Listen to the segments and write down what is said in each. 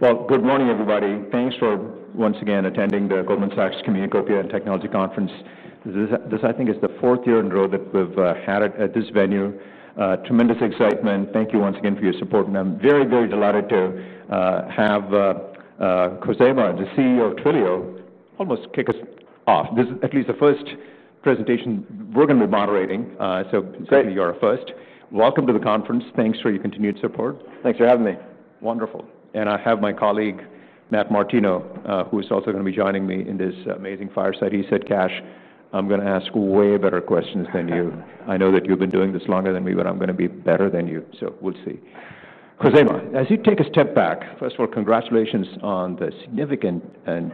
Good morning, everybody. Thanks for once again attending the Goldman Sachs Communacopia + Technology Conference. This, I think, is the fourth year in a row that we've had it at this venue. Tremendous excitement. Thank you once again for your support. I'm very, very delighted to have Khozema, the CEO of Twilio, almost kick us off. This is at least the first presentation we're going to be moderating. You're a first. Welcome to the conference. Thanks for your continued support. Thanks for having me. Wonderful. I have my colleague Matt Martino, who is also going to be joining me in this amazing fireside. He said, Kash, I'm going to ask way better questions than you. I know that you've been doing this longer than me, but I'm going to be better than you. We'll see. Khozema, as you take a step back, first of all, congratulations on the significant and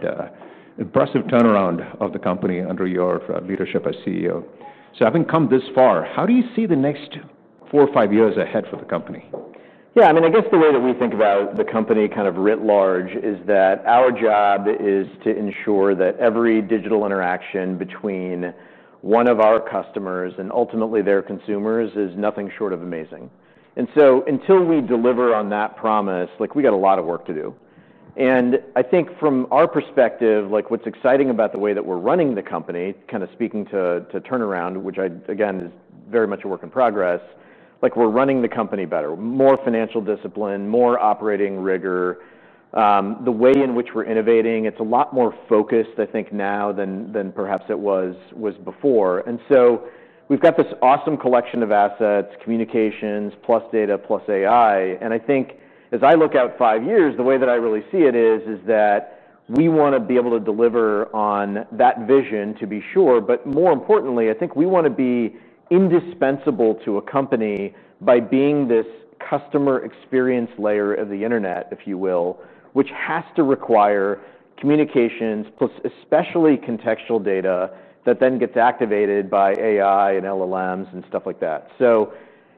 impressive turnaround of the company under your leadership as CEO. Having come this far, how do you see the next four or five years ahead for the company? Yeah, I mean, I guess the way that we think about the company kind of writ large is that our job is to ensure that every digital interaction between one of our customers and ultimately their consumers is nothing short of amazing. Until we deliver on that promise, we got a lot of work to do. I think from our perspective, what's exciting about the way that we're running the company, kind of speaking to turnaround, which again is very much a work in progress, we're running the company better, more financial discipline, more operating rigor. The way in which we're innovating, it's a lot more focused, I think, now than perhaps it was before. We've got this awesome collection of assets, communications, plus data, plus AI. I think as I look out five years, the way that I really see it is that we want to be able to deliver on that vision to be sure. More importantly, I think we want to be indispensable to a company by being this customer experience layer of the internet, if you will, which has to require communications, plus especially contextual data that then gets activated by AI and LLMs and stuff like that.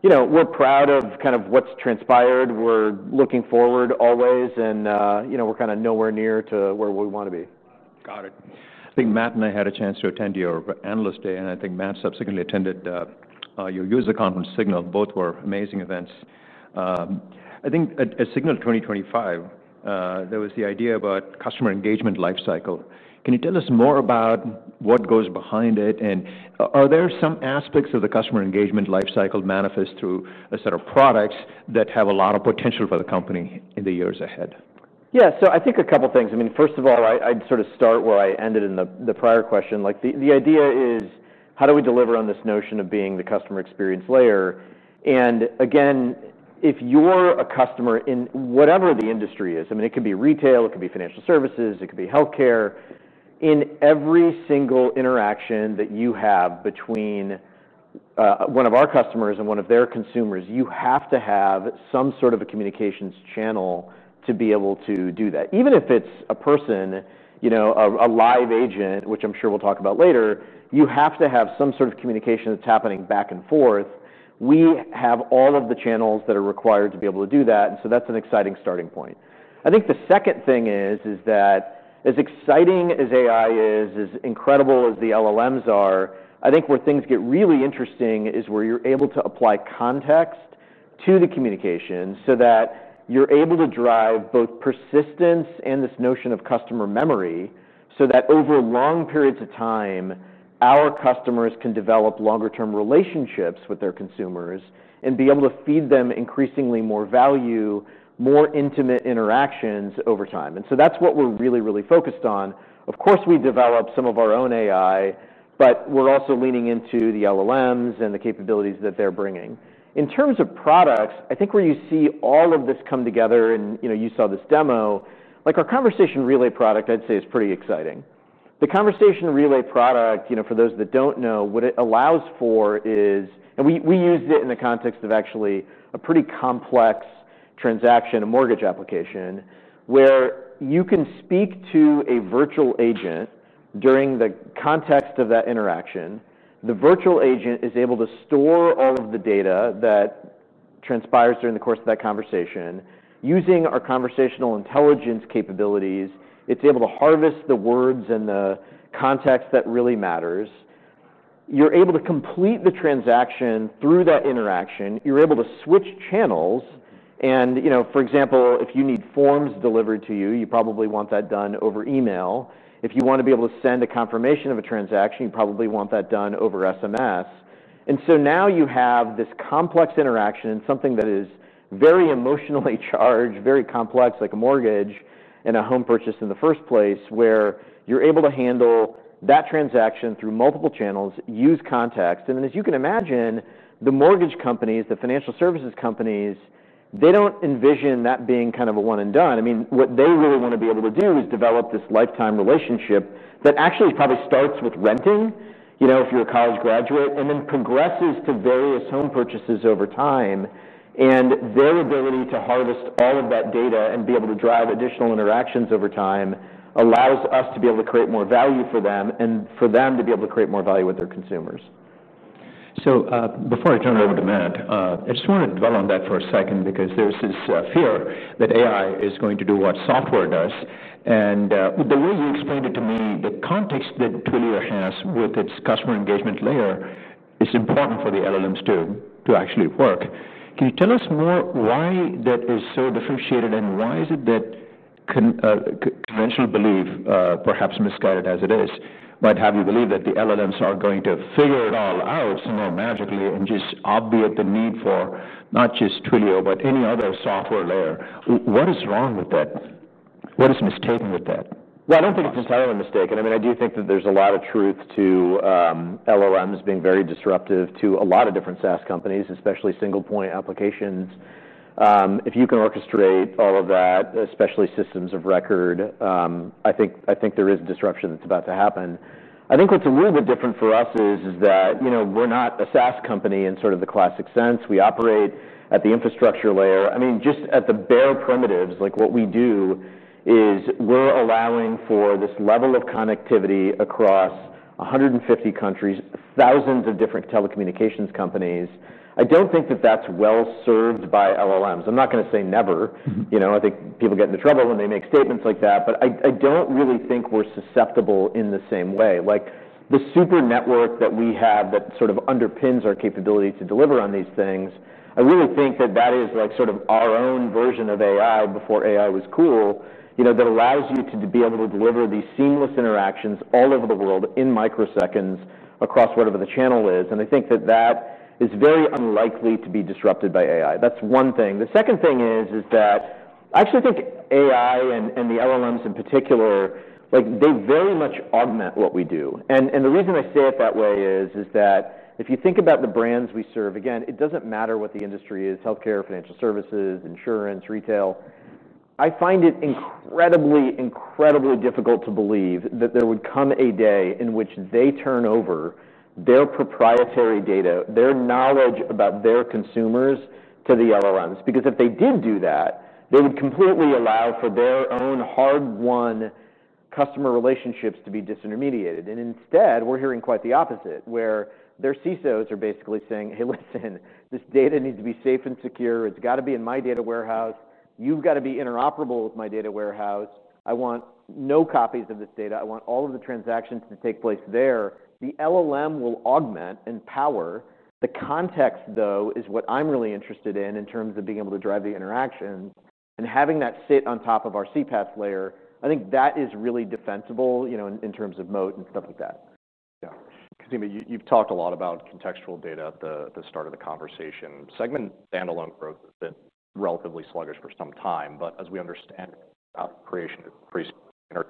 We're proud of kind of what's transpired. We're looking forward always. We're kind of nowhere near to where we want to be. Got it. I think Matt and I had a chance to attend your analyst day. I think Matt subsequently attended your user conference Signal. Both were amazing events. I think at Signal 2025, there was the idea about customer engagement lifecycle. Can you tell us more about what goes behind it? Are there some aspects of the customer engagement lifecycle manifest through a set of products that have a lot of potential for the company in the years ahead? Yeah, I think a couple of things. First of all, I'd start where I ended in the prior question. The idea is how do we deliver on this notion of being the customer experience layer? If you're a customer in whatever the industry is, it could be retail, it could be financial services, it could be health care, in every single interaction that you have between one of our customers and one of their consumers, you have to have some sort of a communications channel to be able to do that. Even if it's a person, you know, a live agent, which I'm sure we'll talk about later, you have to have some sort of communication that's happening back and forth. We have all of the channels that are required to be able to do that. That's an exciting starting point. I think the second thing is that as exciting as AI is, as incredible as the LLMs are, where things get really interesting is where you're able to apply context to the communication so that you're able to drive both persistence and this notion of customer memory, so that over long periods of time, our customers can develop longer-term relationships with their consumers and be able to feed them increasingly more value, more intimate interactions over time. That's what we're really, really focused on. Of course, we develop some of our own AI, but we're also leaning into the LLMs and the capabilities that they're bringing. In terms of products, where you see all of this come together, and you saw this demo, our ConversationRelay product, I'd say, is pretty exciting. The ConversationRelay product, for those that don't know, what it allows for is, and we used it in the context of actually a pretty complex transaction, a mortgage application, where you can speak to a virtual agent during the context of that interaction. The virtual agent is able to store all of the data that transpires during the course of that conversation. Using our Conversational Intelligence capabilities, it's able to harvest the words and the context that really matters. You're able to complete the transaction through that interaction. You're able to switch channels. For example, if you need forms delivered to you, you probably want that done over email. If you want to be able to send a confirmation of a transaction, you probably want that done over SMS. You have this complex interaction and something that is very emotionally charged, very complex, like a mortgage and a home purchase in the first place, where you're able to handle that transaction through multiple channels, use context. As you can imagine, the mortgage companies, the financial services companies, they don't envision that being kind of a one and done. What they really want to be able to do is develop this lifetime relationship that actually probably starts with renting, you know, if you're a college graduate, and then progresses to various home purchases over time. Their ability to harvest all of that data and be able to drive additional interactions over time allows us to be able to create more value for them and for them to be able to create more value with their consumers. Before I turn it over to Matt, I just want to dwell on that for a second because there's this fear that AI is going to do what software does. The way you explained it to me, the context that Twilio has with its customer engagement layer is important for the LLMs to actually work. Can you tell us more why that is so differentiated and why is it that conventional belief, perhaps misguided as it is, might have you believe that the LLMs are going to figure it all out magically and just obviate the need for not just Twilio, but any other software layer? What is wrong with that? What is mistaken with that? Yeah, I don't think it's entirely mistaken. I mean, I do think that there's a lot of truth to LLMs being very disruptive to a lot of different SaaS companies, especially single-point applications. If you can orchestrate all of that, especially systems of record, I think there is disruption that's about to happen. What's a little bit different for us is that we're not a SaaS company in sort of the classic sense. We operate at the infrastructure layer. Just at the bare primitives, like what we do is we're allowing for this level of connectivity across 150 countries, thousands of different telecommunications companies. I don't think that that's well served by LLMs. I'm not going to say never. I think people get into trouble when they make statements like that. I don't really think we're susceptible in the same way. The super network that we have that sort of underpins our capability to deliver on these things, I really think that that is like sort of our own version of AI before AI was cool, you know, that allows you to be able to deliver these seamless interactions all over the world in microseconds across whatever the channel is. I think that that is very unlikely to be disrupted by AI. That's one thing. The second thing is that I actually think AI and the LLMs in particular, like they very much augment what we do. The reason I say it that way is that if you think about the brands we serve, again, it doesn't matter what the industry is, health care, financial services, insurance, retail, I find it incredibly, incredibly difficult to believe that there would come a day in which they turn over their proprietary data, their knowledge about their consumers to the LLMs. If they did do that, they would completely allow for their own hard-won customer relationships to be disintermediated. Instead, we're hearing quite the opposite, where their CISOs are basically saying, hey, listen, this data needs to be safe and secure. It's got to be in my data warehouse. You've got to be interoperable with my data warehouse. I want no copies of this data. I want all of the transactions to take place there. The LLM will augment and power. The context, though, is what I'm really interested in in terms of being able to drive the interaction and having that sit on top of our CPaaS layer. I think that is really defensible in terms of moat and stuff like that. Yeah. Khozema, you've talked a lot about contextual data at the start of the conversation. Segment standalone growth has been relatively sluggish for some time. As we understand, that creation is increasing in our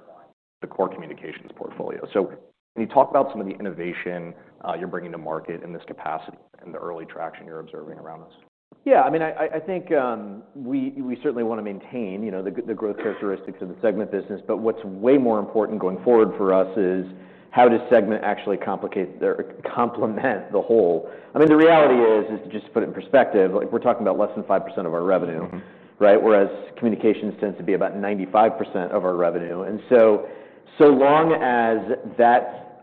core communications portfolio. Can you talk about some of the innovation you're bringing to market in this capacity and the early traction you're observing around this? Yeah, I mean, I think we certainly want to maintain the growth characteristics of the Segment business. What's way more important going forward for us is how does Segment actually complement the whole? The reality is, to just put it in perspective, we're talking about less than 5% of our revenue, right? Whereas Communications tends to be about 95% of our revenue. As long as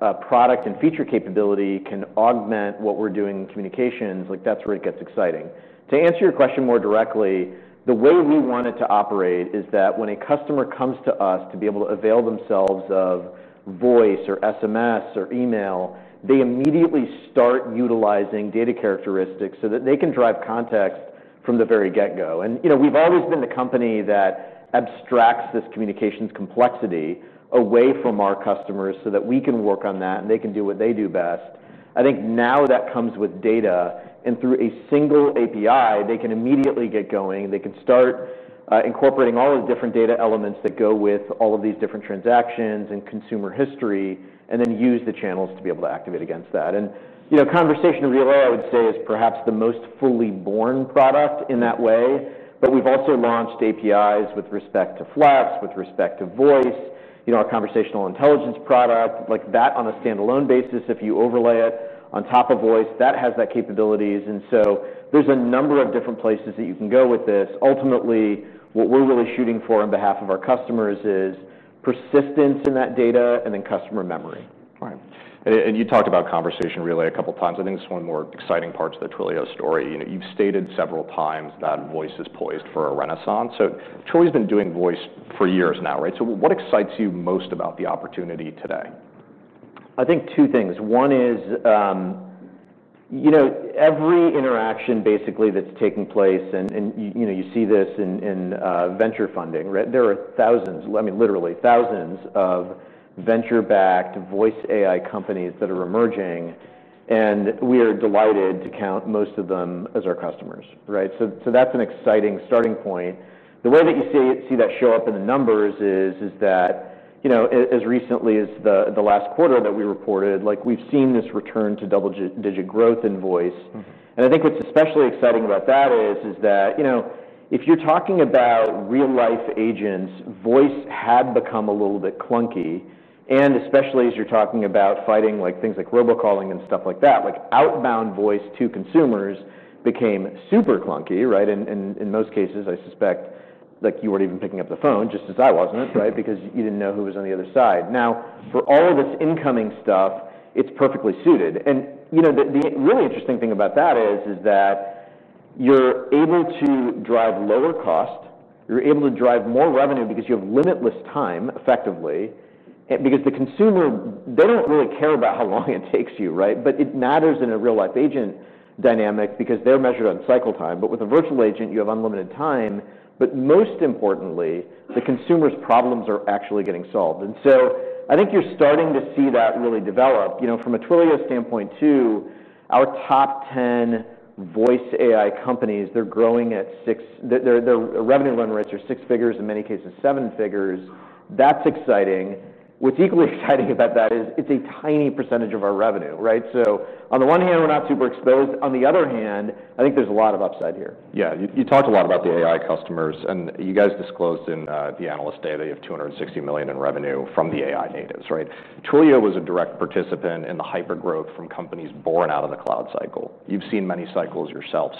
that product and feature capability can augment what we're doing in Communications, that's where it gets exciting. To answer your question more directly, the way we want it to operate is that when a customer comes to us to be able to avail themselves of voice or SMS or email, they immediately start utilizing data characteristics so that they can drive context from the very get-go. You know we've always been a company that abstracts this communications complexity away from our customers so that we can work on that and they can do what they do best. I think now that comes with data. Through a single API, they can immediately get going. They can start incorporating all of the different data elements that go with all of these different transactions and consumer history and then use the channels to be able to activate against that. Conversational Intelligence, I would say, is perhaps the most fully born product in that way. We've also launched APIs with respect to Flex, with respect to Voice, our Conversational Intelligence product. That on a standalone basis, if you overlay it on top of Voice, that has that capability. There are a number of different places that you can go with this. Ultimately, what we're really shooting for on behalf of our customers is persistence in that data and then customer memory. Right. You talked about ConversationRelay a couple of times. I think it's one of the more exciting parts of the Twilio story. You've stated several times that voice is poised for a renaissance. Twilio has been doing voice for years now, right? What excites you most about the opportunity today? I think two things. One is, you know, every interaction basically that's taking place, and you see this in venture funding, right? There are thousands, I mean, literally thousands of venture-backed voice AI companies that are emerging. We are delighted to count most of them as our customers, right? That's an exciting starting point. The way that you see that show up in the numbers is that, you know, as recently as the last quarter that we reported, we've seen this return to double-digit growth in voice. I think what's especially exciting about that is that, you know, if you're talking about real-life agents, voice had become a little bit clunky. Especially as you're talking about fighting things like robocalling and stuff like that, outbound voice to consumers became super clunky, right? In most cases, I suspect you weren't even picking up the phone, just as I wasn't, right? Because you didn't know who was on the other side. Now, for all of this incoming stuff, it's perfectly suited. The really interesting thing about that is that you're able to drive lower cost. You're able to drive more revenue because you have limitless time, effectively. Because the consumer, they don't really care about how long it takes you, right? It matters in a real-life agent dynamic because they're measured on cycle time. With a virtual agent, you have unlimited time. Most importantly, the consumer's problems are actually getting solved. I think you're starting to see that really develop. From a Twilio standpoint too, our top 10 voice AI companies, they're growing at six, their revenue run rates are six figures, in many cases, seven figures. That's exciting. What's equally exciting about that is it's a tiny percentage of our revenue, right? On the one hand, we're not super exposed. On the other hand, I think there's a lot of upside here. Yeah, you talked a lot about the AI customers. You guys disclosed in the analyst data you have $260 million in revenue from the AI natives, right? Twilio was a direct participant in the hypergrowth from companies born out of the cloud cycle. You've seen many cycles yourself.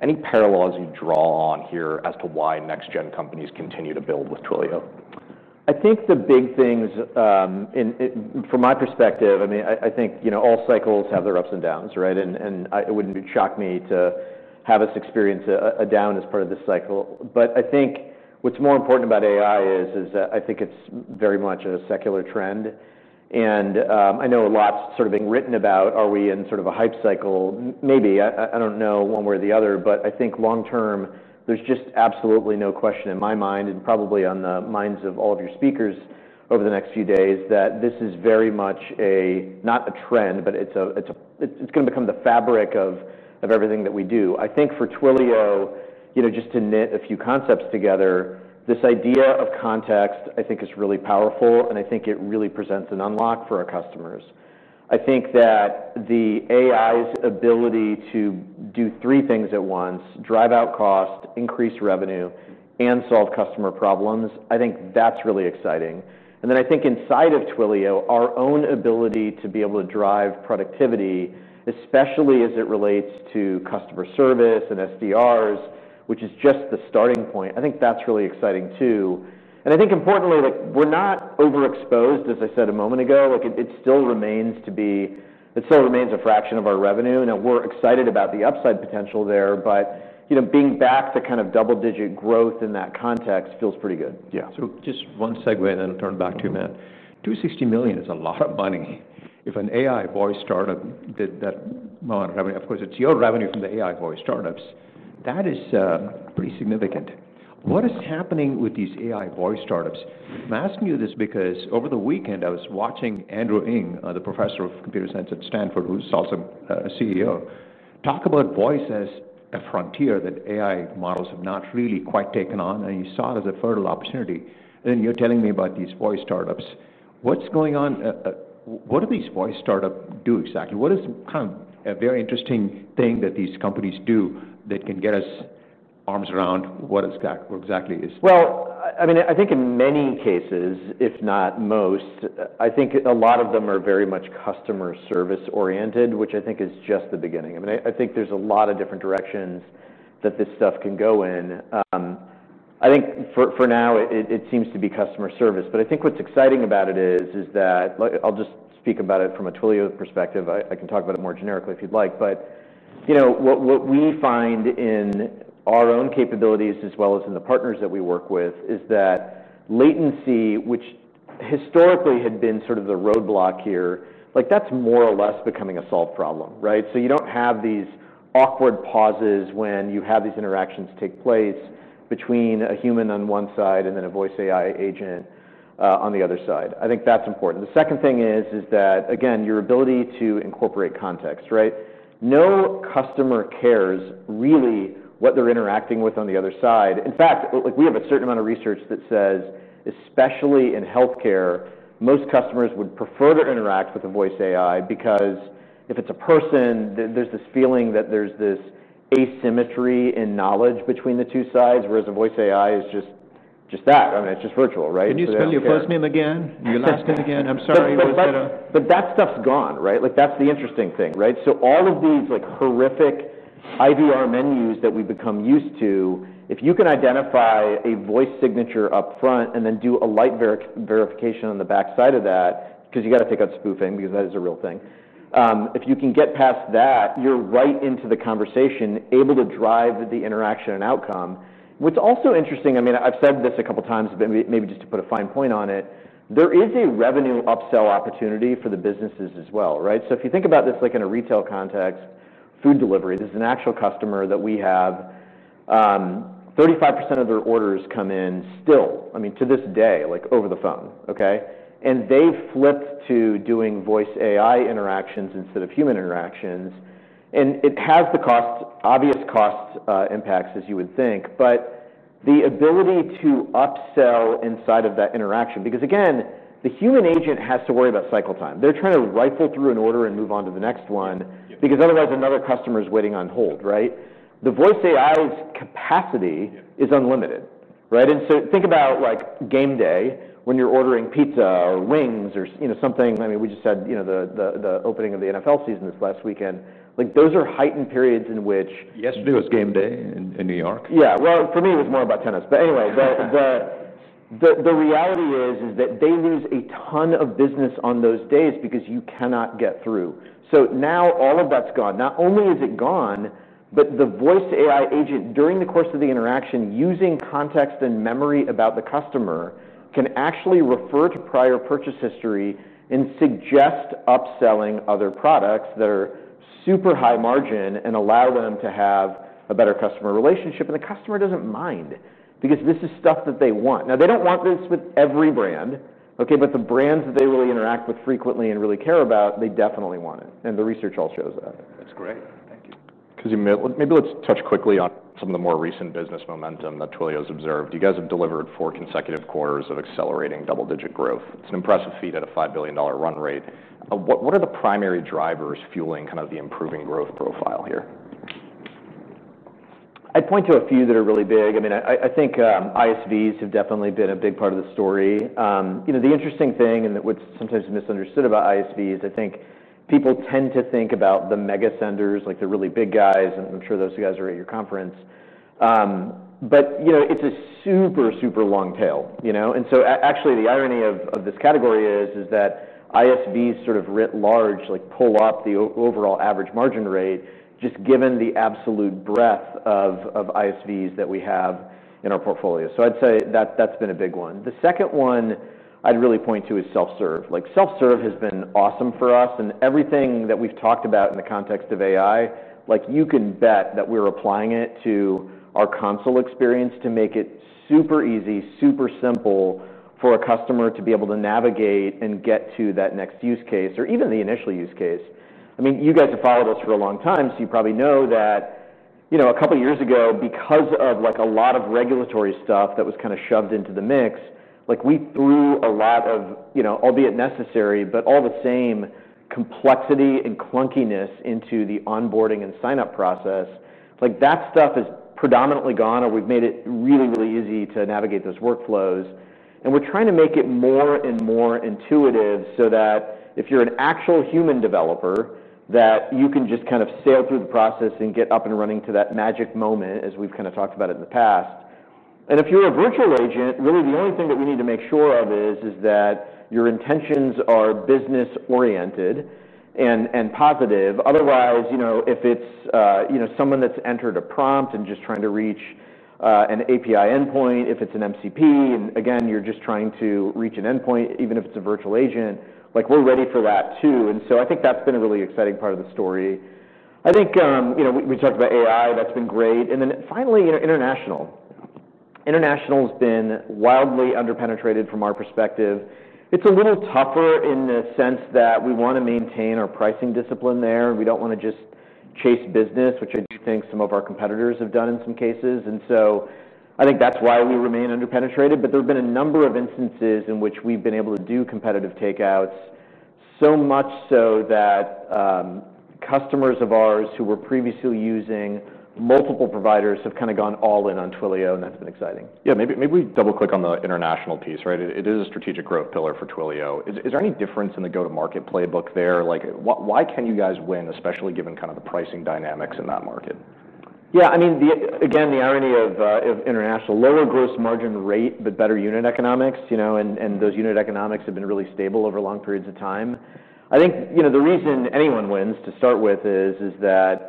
Any parallels you draw on here as to why next-gen companies continue to build with Twilio? I think the big things, from my perspective, all cycles have their ups and downs, right? It wouldn't shock me to have us experience a down as part of this cycle. I think what's more important about AI is that I think it's very much a secular trend. I know lots is sort of being written about, are we in sort of a hype cycle? Maybe. I don't know one way or the other. I think long term, there's just absolutely no question in my mind and probably on the minds of all of your speakers over the next few days that this is very much not a trend, but it's going to become the fabric of everything that we do. I think for Twilio, just to knit a few concepts together, this idea of context is really powerful. I think it really presents an unlock for our customers. I think that the AI's ability to do three things at once: drive out cost, increase revenue, and solve customer problems, that's really exciting. I think inside of Twilio, our own ability to be able to drive productivity, especially as it relates to customer service and SDRs, which is just the starting point, that's really exciting too. Importantly, we're not overexposed, as I said a moment ago. It still remains a fraction of our revenue. We're excited about the upside potential there. Being back to kind of double-digit growth in that context feels pretty good. Yeah. Just one segue and then I'll turn it back to you, Matt. $260 million is a lot of money. If an AI voice startup did that amount of revenue, of course, it's your revenue from the AI voice startups. That is pretty significant. What is happening with these AI voice startups? I'm asking you this because over the weekend, I was watching Andrew Ng, the Professor of Computer Science at Stanford, who's also a CEO, talk about voice as a frontier that AI models have not really quite taken on. He saw it as a fertile opportunity. You're telling me about these voice startups. What's going on? What do these voice startups do exactly? What is kind of a very interesting thing that these companies do that can get us arms around what exactly is? I think in many cases, if not most, a lot of them are very much customer service oriented, which is just the beginning. I think there's a lot of different directions that this stuff can go in. For now, it seems to be customer service. What's exciting about it is that I'll just speak about it from a Twilio perspective. I can talk about it more generically if you'd like. What we find in our own capabilities, as well as in the partners that we work with, is that latency, which historically had been sort of the roadblock here, is more or less becoming a solved problem, right? You don't have these awkward pauses when you have these interactions take place between a human on one side and then a voice AI agent on the other side. I think that's important. The second thing is that, again, your ability to incorporate context, right? No customer cares really what they're interacting with on the other side. In fact, we have a certain amount of research that says, especially in health care, most customers would prefer to interact with a voice AI because if it's a person, there's this feeling that there's this asymmetry in knowledge between the two sides, whereas a voice AI is just that. It's just virtual, right? Can you spell your first name again? Your last name again? I'm sorry. That stuff's gone, right? That's the interesting thing, right? All of these horrific IVR menus that we've become used to, if you can identify a voice signature up front and then do a light verification on the backside of that, because you got to take out spoofing, because that is a real thing. If you can get past that, you're right into the conversation, able to drive the interaction and outcome. What's also interesting, I've said this a couple of times, but maybe just to put a fine point on it, there is a revenue upsell opportunity for the businesses as well, right? If you think about this like in a retail context, food delivery, there's an actual customer that we have, 35% of their orders come in still, to this day, over the phone, okay? They've flipped to doing voice AI interactions instead of human interactions. It has the cost, obvious cost impacts, as you would think. The ability to upsell inside of that interaction, because again, the human agent has to worry about cycle time. They're trying to rifle through an order and move on to the next one, because otherwise, another customer is waiting on hold, right? The voice AI's capacity is unlimited, right? Think about game day when you're ordering pizza or wings or something. We just had the opening of the NFL season this last weekend. Those are heightened periods in which. Yesterday was game day in New York. Yeah, for me, it was more about tennis. Anyway, the reality is that they lose a ton of business on those days because you cannot get through. Now all of that's gone. Not only is it gone, but the voice AI agent, during the course of the interaction, using context and memory about the customer, can actually refer to prior purchase history and suggest upselling other products that are super high margin and allow them to have a better customer relationship. The customer doesn't mind because this is stuff that they want. They don't want this with every brand, OK? The brands that they really interact with frequently and really care about, they definitely want it. The research all shows that. That's great. Thank you. Khozema, maybe let's touch quickly on some of the more recent business momentum that Twilio has observed. You guys have delivered four consecutive quarters of accelerating double-digit growth. It's an impressive feat at a $5 billion run rate. What are the primary drivers fueling kind of the improving growth profile here? I'd point to a few that are really big. I mean, I think ISVs have definitely been a big part of the story. The interesting thing and what's sometimes misunderstood about ISVs, I think people tend to think about the mega senders, like the really big guys. I'm sure those guys are at your conference. It's a super, super long tail. The irony of this category is that ISVs sort of writ large pull up the overall average margin rate, just given the absolute breadth of ISVs that we have in our portfolio. I'd say that's been a big one. The second one I'd really point to is self-serve. Self-serve has been awesome for us. Everything that we've talked about in the context of AI, you can bet that we're applying it to our console experience to make it super easy, super simple for a customer to be able to navigate and get to that next use case or even the initial use case. You guys have followed us for a long time, so you probably know that a couple of years ago, because of a lot of regulatory stuff that was kind of shoved into the mix, we threw a lot of, albeit necessary, but all the same complexity and clunkiness into the onboarding and sign-up process. That stuff is predominantly gone, or we've made it really, really easy to navigate those workflows. We're trying to make it more and more intuitive so that if you're an actual human developer, you can just kind of sail through the process and get up and running to that magic moment, as we've kind of talked about it in the past. If you're a virtual agent, really the only thing that we need to make sure of is that your intentions are business-oriented and positive. Otherwise, if it's someone that's entered a prompt and just trying to reach an API endpoint, if it's an MCP, and again, you're just trying to reach an endpoint, even if it's a virtual agent, we're ready for that too. I think that's been a really exciting part of the story. We talked about AI. That's been great. Finally, international. International has been wildly underpenetrated from our perspective. It's a little tougher in the sense that we want to maintain our pricing discipline there. We don't want to just chase business, which I do think some of our competitors have done in some cases. I think that's why we remain underpenetrated. There have been a number of instances in which we've been able to do competitive takeouts, so much so that customers of ours who were previously using multiple providers have kind of gone all in on Twilio. That's been exciting. Yeah, maybe we double-click on the international piece, right? It is a strategic growth pillar for Twilio. Is there any difference in the go-to-market playbook there? Like why can you guys win, especially given kind of the pricing dynamics in that market? Yeah, I mean, again, the irony of international, lower gross margin rate, but better unit economics. Those unit economics have been really stable over long periods of time. I think the reason anyone wins to start with is that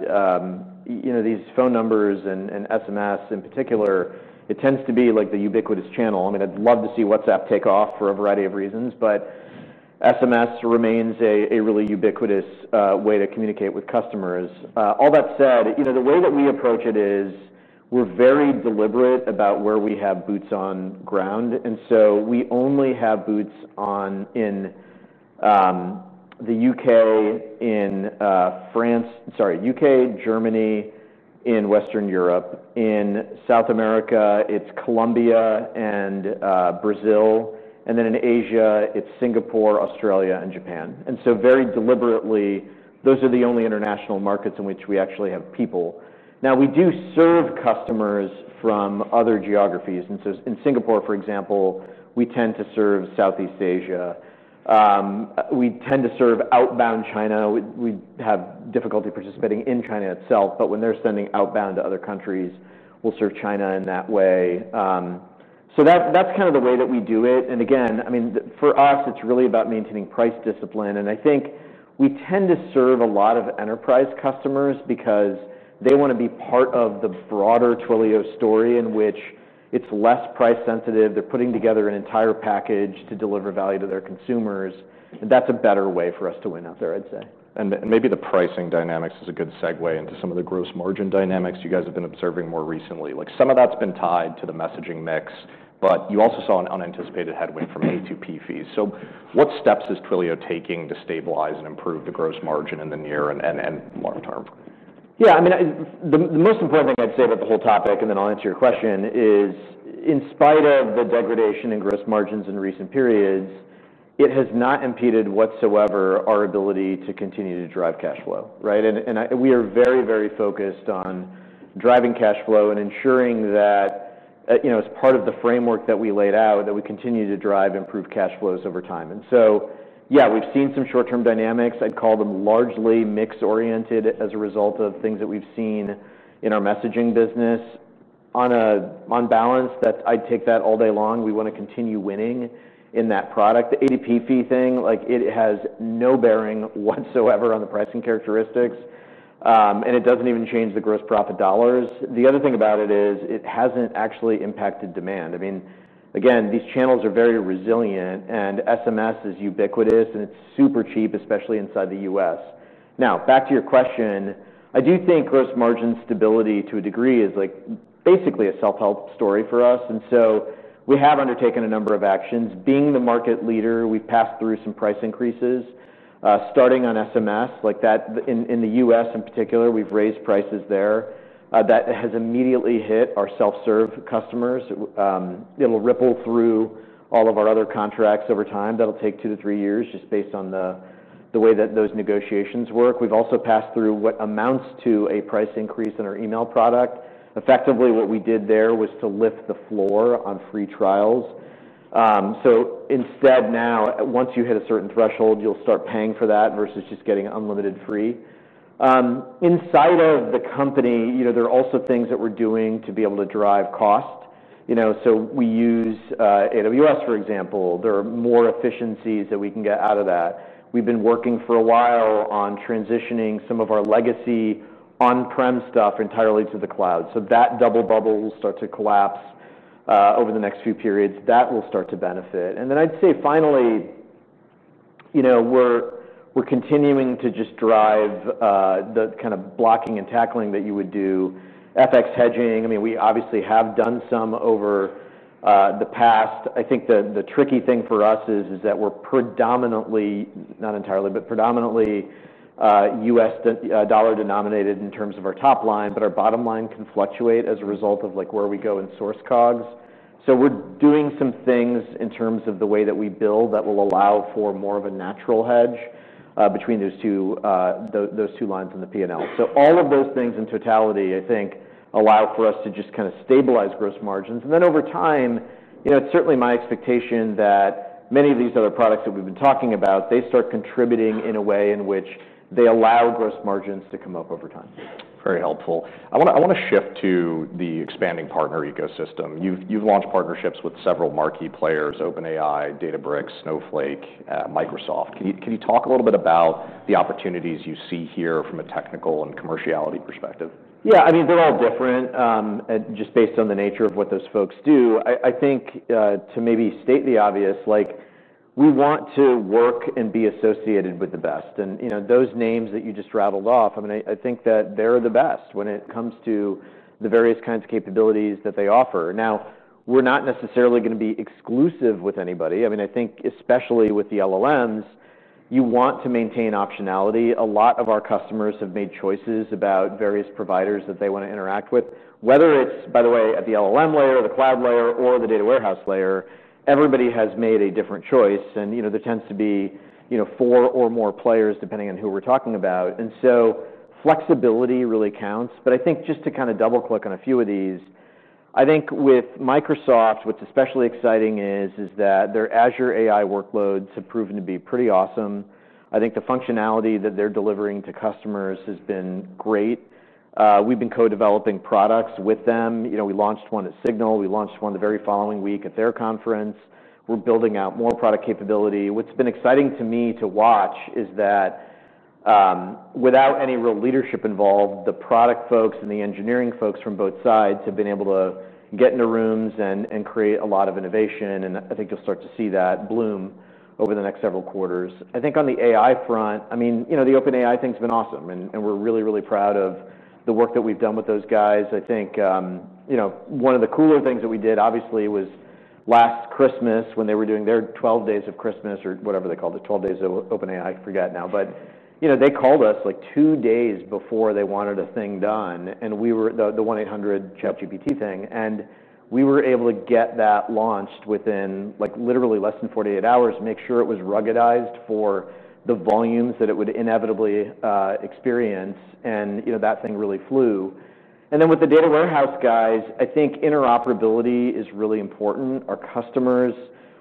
these phone numbers and SMS in particular, it tends to be like the ubiquitous channel. I'd love to see WhatsApp take off for a variety of reasons. SMS remains a really ubiquitous way to communicate with customers. All that said, the way that we approach it is we're very deliberate about where we have boots on ground. We only have boots on in the UK, Germany, in Western Europe. In South America, it's Colombia and Brazil. In Asia, it's Singapore, Australia, and Japan. Very deliberately, those are the only international markets in which we actually have people. We do serve customers from other geographies. In Singapore, for example, we tend to serve Southeast Asia. We tend to serve outbound China. We have difficulty participating in China itself, but when they're sending outbound to other countries, we'll serve China in that way. That's kind of the way that we do it. For us, it's really about maintaining price discipline. I think we tend to serve a lot of enterprise customers because they want to be part of the broader Twilio story in which it's less price sensitive. They're putting together an entire package to deliver value to their consumers. That's a better way for us to win out there, I'd say. Maybe the pricing dynamics is a good segue into some of the gross margin dynamics you guys have been observing more recently. Some of that's been tied to the messaging mix. You also saw an unanticipated headwind from A2P fees. What steps is Twilio taking to stabilize and improve the gross margin in the near and long term? Yeah, I mean, the most important thing I'd say about the whole topic, and then I'll answer your question, is in spite of the degradation in gross margins in recent periods, it has not impeded whatsoever our ability to continue to drive cash flow, right? We are very, very focused on driving cash flow and ensuring that, you know, as part of the framework that we laid out, that we continue to drive improved cash flows over time. We've seen some short-term dynamics. I'd call them largely mix-oriented as a result of things that we've seen in our messaging business. On balance, I'd take that all day long. We want to continue winning in that product. The A2P fee thing, like it has no bearing whatsoever on the pricing characteristics. It doesn't even change the gross profit dollars. The other thing about it is it hasn't actually impacted demand. I mean, again, these channels are very resilient. SMS is ubiquitous. It's super cheap, especially inside the U.S. Now, back to your question, I do think gross margin stability to a degree is basically a self-help story for us. We have undertaken a number of actions. Being the market leader, we passed through some price increases, starting on SMS. Like that in the U.S. in particular, we've raised prices there. That has immediately hit our self-serve customers. It'll ripple through all of our other contracts over time. That'll take two to three years just based on the way that those negotiations work. We've also passed through what amounts to a price increase in our email product. Effectively, what we did there was to lift the floor on free trials. So instead now, once you hit a certain threshold, you'll start paying for that versus just getting unlimited free. Inside of the company, you know, there are also things that we're doing to be able to drive cost. You know, we use AWS, for example. There are more efficiencies that we can get out of that. We've been working for a while on transitioning some of our legacy on-prem stuff entirely to the cloud. That double bubble will start to collapse over the next few periods. That will start to benefit. Finally, we're continuing to just drive the kind of blocking and tackling that you would do. FX hedging, I mean, we obviously have done some over the past. I think the tricky thing for us is that we're predominantly, not entirely, but predominantly U.S. dollar denominated in terms of our top line. Our bottom line can fluctuate as a result of where we go in source COGS. We are doing some things in terms of the way that we build that will allow for more of a natural hedge between those two lines in the P&L. All of those things in totality, I think, allow for us to just kind of stabilize gross margins. Over time, it's certainly my expectation that many of these other products that we've been talking about, they start contributing in a way in which they allow gross margins to come up over time. Very helpful. I want to shift to the expanding partner ecosystem. You've launched partnerships with several marquee players: OpenAI, Databricks, Snowflake, Microsoft. Can you talk a little bit about the opportunities you see here from a technical and commerciality perspective? Yeah, I mean, they're all different just based on the nature of what those folks do. I think to maybe state the obvious, we want to work and be associated with the best. You know, those names that you just rattled off, I mean, I think that they're the best when it comes to the various kinds of capabilities that they offer. We're not necessarily going to be exclusive with anybody. I think especially with the LLMs, you want to maintain optionality. A lot of our customers have made choices about various providers that they want to interact with. Whether it's, by the way, at the LLM layer, the cloud layer, or the data warehouse layer, everybody has made a different choice. There tends to be four or more players depending on who we're talking about, so flexibility really counts. I think just to kind of double-click on a few of these, with Microsoft, what's especially exciting is that their Azure AI workloads have proven to be pretty awesome. I think the functionality that they're delivering to customers has been great. We've been co-developing products with them. We launched one at Signal. We launched one the very following week at their conference. We're building out more product capability. What's been exciting to me to watch is that without any real leadership involved, the product folks and the engineering folks from both sides have been able to get into rooms and create a lot of innovation. I think you'll start to see that bloom over the next several quarters. On the AI front, the OpenAI thing's been awesome. We're really, really proud of the work that we've done with those guys. I think one of the cooler things that we did, obviously, was last Christmas when they were doing their 12 days of Christmas or whatever they called it, 12 days of OpenAI, I forget now. They called us like two days before they wanted a thing done. We were the 1-800 ChatGPT thing. We were able to get that launched within literally less than 48 hours, make sure it was ruggedized for the volumes that it would inevitably experience. That thing really flew. With the data warehouse guys, interoperability is really important. Our customers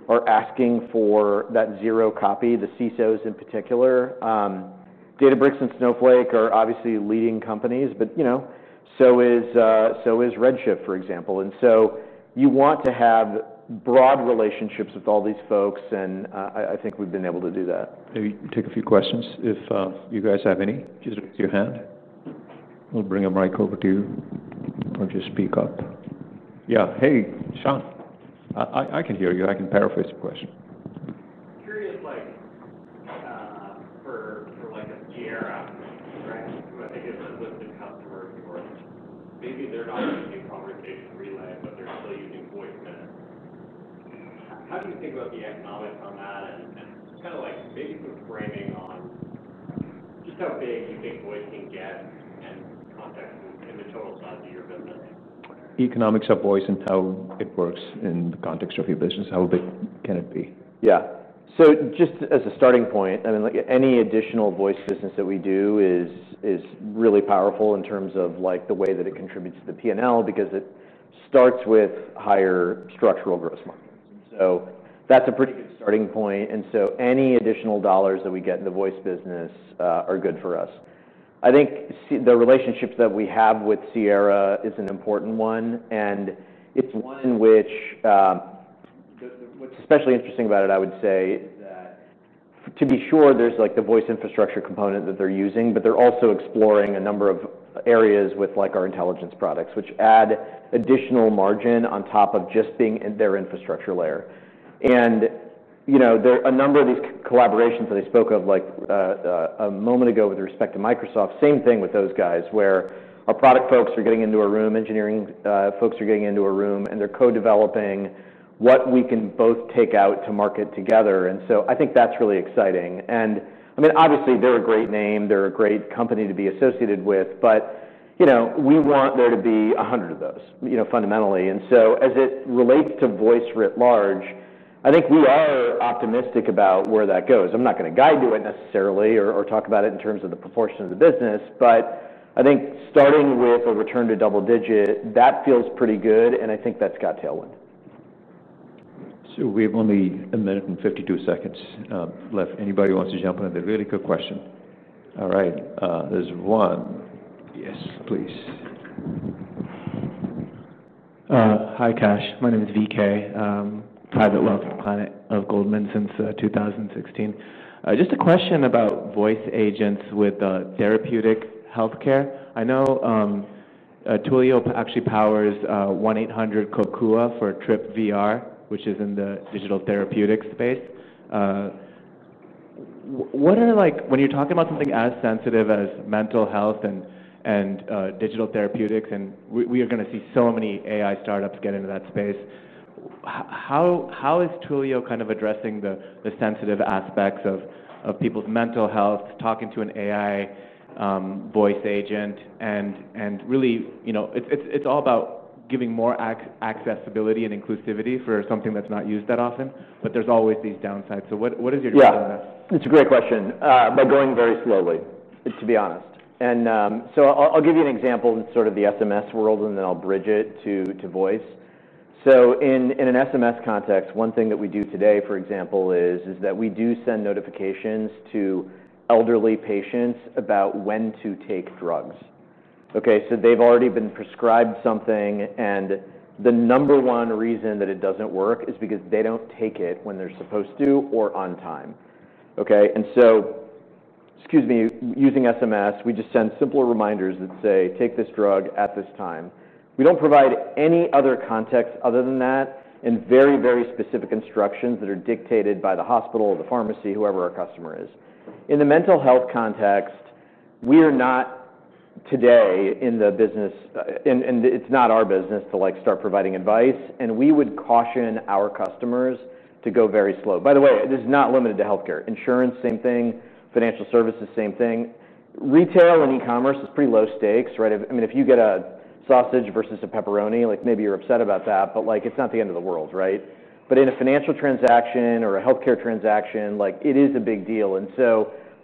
are asking for that zero copy, the CISOs in particular. Databricks and Snowflake are obviously leading companies, but so is Redshift, for example. You want to have broad relationships with all these folks. I think we've been able to do that. Maybe take a few questions if you guys have any. Just raise your hand. We'll bring a mic over to you. Why don't you speak up? Yeah. Hey, Sean. I can hear you. I can paraphrase the question. Curiously, for like a JIRA application, I guess I wouldn't have asked for an email answer. Maybe they're not using Voice for freelance, but they're still using Voice for. How do you think about the economics on that, and basically framing on just how big you think Voice can get and how it ties onto your business? Economics of Voice and how it works in the context of your business. How big can it be? Yeah. Just as a starting point, I mean, like any additional Voice business that we do is really powerful in terms of the way that it contributes to the P&L because it starts with higher structural gross margin. That's a pretty good starting point. Any additional dollars that we get in the Voice business are good for us. I think the relationship that we have with Sierra is an important one. What's especially interesting about it, I would say, is that to be sure, there's the Voice infrastructure component that they're using, but they're also exploring a number of areas with our intelligence products, which add additional margin on top of just being in their infrastructure layer. A number of these collaborations that I spoke of a moment ago with respect to Microsoft, same thing with those guys, where our product folks are getting into a room, engineering folks are getting into a room, and they're co-developing what we can both take out to market together. I think that's really exciting. Obviously, they're a great name. They're a great company to be associated with. We want there to be 100 of those, fundamentally. As it relates to Voice writ large, I think we are optimistic about where that goes. I'm not going to guide you necessarily or talk about it in terms of the proportion of the business. I think starting with a return to double digit, that feels pretty good. I think that's got tailwind. We have only a minute and 52 seconds left. Anybody wants to jump in with a really quick question? All right, there's one. Yes, please. Hi, Kash. My name is VK. I'm a private wealth client of Goldman Sachs since 2016. Just a question about voice agents with therapeutic health care. I know Twilio actually powers 1-800 Kukula for TripVR, which is in the digital therapeutic space. When you're talking about something as sensitive as mental health and digital therapeutics, and we are going to see so many AI startups get into that space, how is Twilio kind of addressing the sensitive aspects of people's mental health, talking to an AI voice agent? It's all about giving more accessibility and inclusivity for something that's not used that often. There's always these downsides. What is your take on that? Yeah, it's a great question. Going very slowly, to be honest. I'll give you an example in the SMS world, and then I'll bridge it to voice. In an SMS context, one thing that we do today, for example, is that we do send notifications to elderly patients about when to take drugs. They've already been prescribed something. The number one reason that it doesn't work is because they don't take it when they're supposed to or on time. Using SMS, we just send simple reminders that say, take this drug at this time. We don't provide any other context other than that and very, very specific instructions that are dictated by the hospital, the pharmacy, whoever our customer is. In the mental health context, we are not today in the business, and it's not our business to start providing advice. We would caution our customers to go very slow. By the way, this is not limited to health care. Insurance, same thing. Financial services, same thing. Retail and e-commerce is pretty low stakes, right? I mean, if you get a sausage versus a pepperoni, maybe you're upset about that, but it's not the end of the world, right? In a financial transaction or a health care transaction, it is a big deal.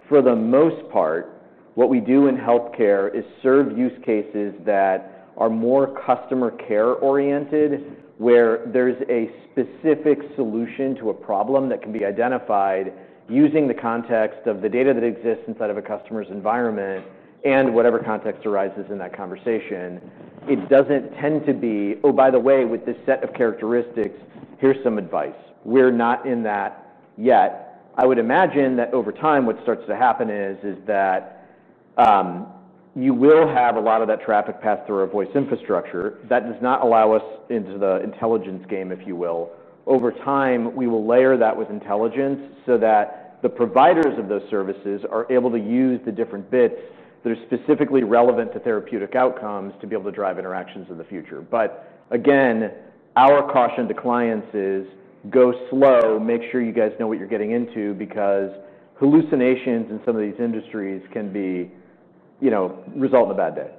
For the most part, what we do in health care is serve use cases that are more customer care-oriented, where there's a specific solution to a problem that can be identified using the context of the data that exists inside of a customer's environment and whatever context arises in that conversation. It doesn't tend to be, oh, by the way, with this set of characteristics, here's some advice. We're not in that yet. I would imagine that over time, what starts to happen is that you will have a lot of that traffic pass through our voice infrastructure. That does not allow us into the intelligence game, if you will. Over time, we will layer that with intelligence so that the providers of those services are able to use the different bits that are specifically relevant to therapeutic outcomes to be able to drive interactions in the future. Again, our caution to clients is go slow. Make sure you guys know what you're getting into because hallucinations in some of these industries can result in a bad day.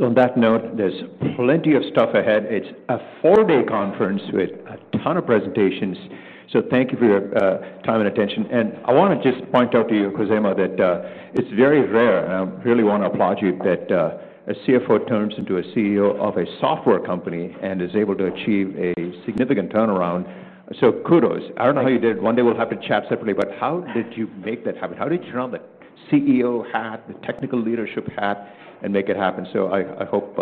On that note, there's plenty of stuff ahead. It's a four-day conference with a ton of presentations. Thank you for your time and attention. I want to just point out to you, Khozema, that it's very rare, and I really want to applaud you, that a CFO turns into a CEO of a software company and is able to achieve a significant turnaround. Kudos. I don't know how you did it. One day, we'll have to chat separately. How did you make that happen? How did you turn on the CEO hat, the technical leadership hat, and make it happen? I hope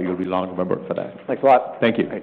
you'll be long remembered for that. Thanks a lot. Thank you.